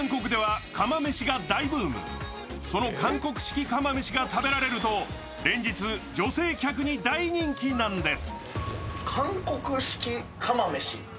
その韓国式釜飯が食べられると連日女性客に大人気なんです。